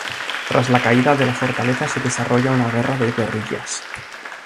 Tras la caída de la fortaleza se desarrolla una guerra de guerrillas.